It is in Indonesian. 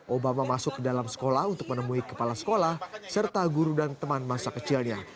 obama masuk ke dalam sekolah untuk menemui kepala sekolah serta guru dan teman masa kecilnya